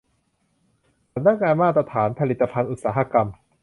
สำนักงานมาตรฐานผลิตภัณฑ์อุตสาหกรรม